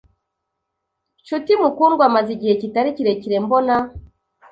Nshuti mukundwa, maze igihe kitari kirekire mbona